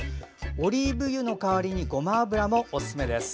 オリーブ油の代わりにごま油もおすすめです。